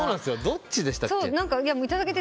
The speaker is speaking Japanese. どっちでしたっけ？